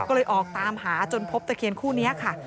ก็เลยออกตามหาจนพบตะเคียนคู่นี้ค่ะ